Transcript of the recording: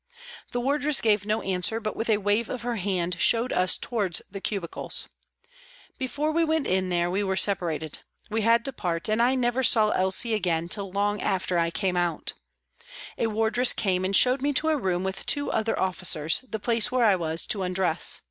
The wardress gave no answer, but with a wave of her hand showed us towards the cubicles. Before we went in there we were WALTON GAOL, LIVERPOOL 261 separated ; we had to part, and I never saw Elsie again till long after I came out. A wardress came and showed me to a room with two other officers, the place where I was to undress.